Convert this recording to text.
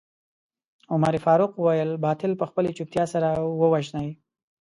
عمر فاروق وويل باطل په خپلې چوپتيا سره ووژنئ.